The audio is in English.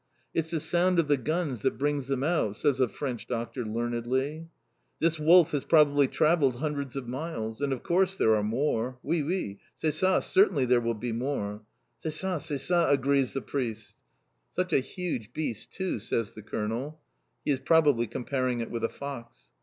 "It's the sound of the guns that brings them out," says a French doctor learnedly. "This wolf has probably travelled hundreds of miles. And of course there are more. Oui, oui! C'est ça Certainly there will be more." "C'est ça, c'est ça!" agrees the priest. "Such a huge beast too!" says the Colonel. He is probably comparing it with a fox.